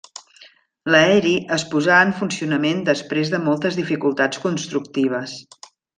L'aeri es posà en funcionament després de moltes dificultats constructives.